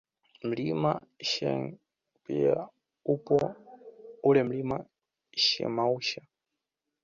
Mlima Shagein pia upo ule Mlima Shemausha